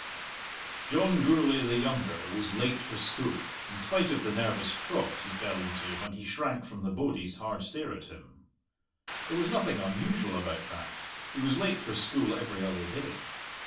John Gourlay the younger was late for school, in spite of the nervous trot he fell into when he shrank from the bodies' hard stare at him. There was nothing unusual about that; he was late for school every other day.